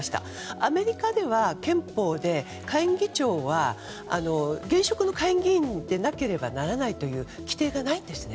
アメリカでは憲法で、下院議長は現職の下院議員でなければならないという規定がないんですね。